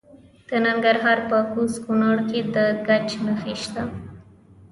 د ننګرهار په کوز کونړ کې د ګچ نښې شته.